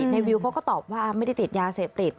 ในวิวเขาก็ตอบว่าไม่ได้ติดยาเสพติด